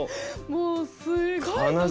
もうすごい独特！